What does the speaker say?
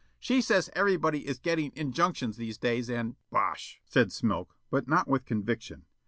She says everybody is getting injunctions these days and " "Bosh!" said Smilk, but not with conviction.